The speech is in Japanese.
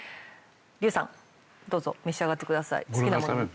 龍さんどうぞ召し上がってください好きな物。